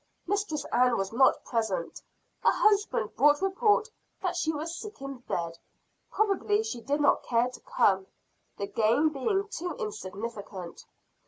Mistress Ann was not present; her husband brought report that she was sick in bed. Probably she did not care to come, the game being too insignificant.